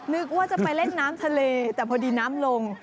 นึกว่าจะไปเล่นน้ำทะเลแต่พอดีน้ำลง